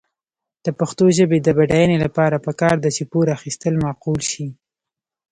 د پښتو ژبې د بډاینې لپاره پکار ده چې پور اخیستل معقول شي.